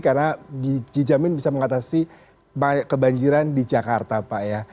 karena dijamin bisa mengatasi kebanjiran di jakarta pak ya